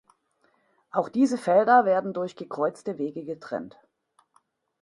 Auch diese Felder werden durch gekreuzte Wege getrennt.